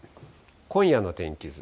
今夜の天気図。